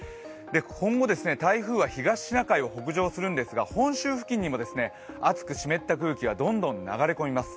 今後、台風は東シナ海を北上するんですが本州付近にもあつく湿った空気がどんどん流れ込みます。